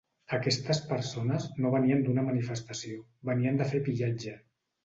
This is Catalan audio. Aquestes persones no venien d’una manifestació, venien de fer pillatge.